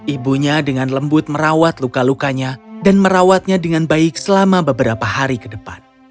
ibunya dengan lembut merawat luka lukanya dan merawatnya dengan baik selama beberapa hari ke depan